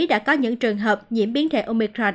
đã có những trường hợp nhiễm biến thể omicron